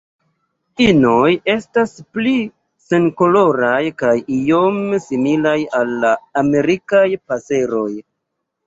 Inoj estas pli senkoloraj kaj iom similaj al la Amerikaj paseroj.